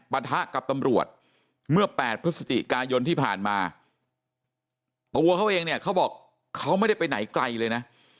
ปะทะกับตำรวจเมื่อ๘พฤศจิกายนที่ผ่านมาตัวเขาเองเนี่ยเขาบอกเขาไม่ได้ไปไหนไกลเลยนะ